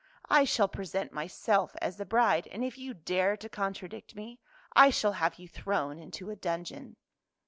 I shall present myself as the bride, and if you dare to contradict me, I shall have you thrown into a dungeon."